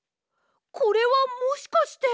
これはもしかして！